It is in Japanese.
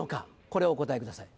これをお答えください。